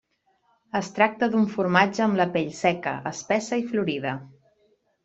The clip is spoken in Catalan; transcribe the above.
Es tracta d'un formatge amb la pell seca, espessa i florida.